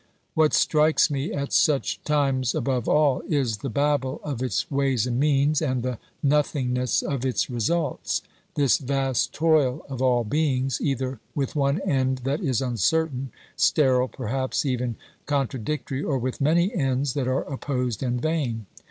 What strikes me at such times above all is the babel of its ways and means, and the nothingness of its results ; this vast toil of all beings either with one end that is uncertain, sterile, perhaps even con tradictory, or with many ends that are opposed and vain.